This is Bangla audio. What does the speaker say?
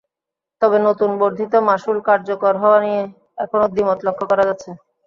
তবে নতুন বর্ধিত মাশুল কার্যকর হওয়া নিয়ে এখনো দ্বিমত লক্ষ করা যাচ্ছে।